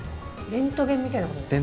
レントゲンみたいなことですか？